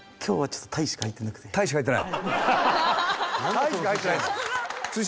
タイしか入ってない？